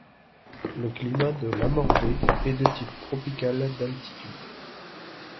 Le climat de Lamordé est de type tropical d'altitude.